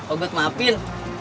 oh buat maafin